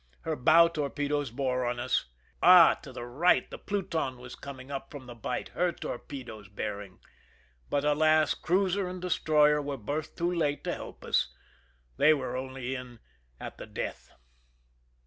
Her bow torpedoes bore on us. Ah ! to the right the Pluton was coming up from the bight, her torpedoes bearing. But, alas ! cruiser and destroyer were both too late to help us. They were only in at the death.